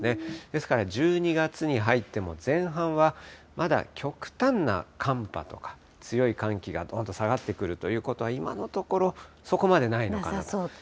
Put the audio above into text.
ですから１２月に入っても前半はまだ極端な寒波とか、強い寒気がどんと下がってくるということは今のところ、そこまでないのかなと。